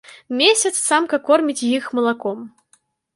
Месяц самка корміць іх малаком.